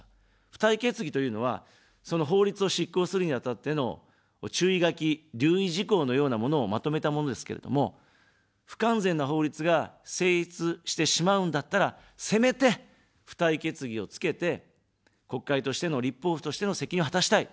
付帯決議というのは、その法律を執行するにあたっての注意書き、留意事項のようなものをまとめたものですけれども、不完全な法律が成立してしまうんだったら、せめて付帯決議をつけて、国会としての、立法府としての責任を果たしたい。